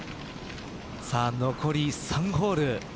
残り３ホール。